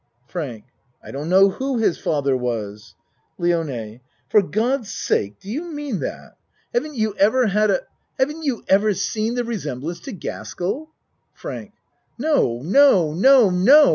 FRANK I don't know who his father was. LIONE For God's sake, do you mean that? 9* A MAN'S WORLD Haven't you ever had a Haven't you ever seen the resemblance to Gaskell? FRANK No! No! No! No!